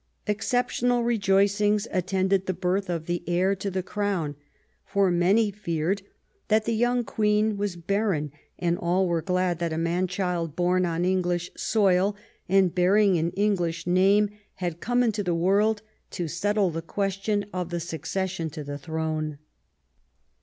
Exceptional rejoicings attended the birth of the heir to the crown, for many feared that the young Queen was barren, and all were glad that a man child, born on English soil and bearing an English name, had come into the world to settle the question of the succession to the throne.